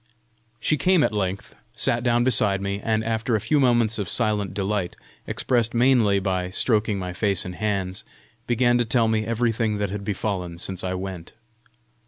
She came at length, sat down beside me, and after a few moments of silent delight, expressed mainly by stroking my face and hands, began to tell me everything that had befallen since I went.